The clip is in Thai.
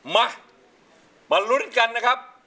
มามาลุ้นกันนะครับ